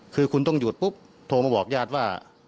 คือคุณต้องหยุดปุ๊บโทรมาบอกญาติว่า